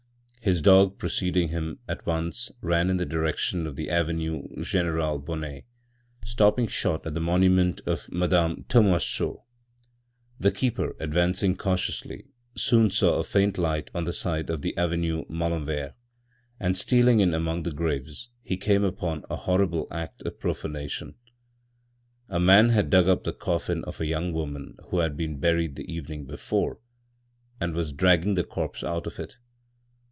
His dog, preceding him, at once ran in the direction of the Avenue General Bonnet, stopping short at the monument of Madame Tomoiseau. The keeper, advancing cautiously, soon saw a faint light on the side of the Avenue Malenvers, and stealing in among the graves, he came upon a horrible act of profanation. A man had dug up the coffin of a young woman who had been buried the evening before and was dragging the corpse out of it.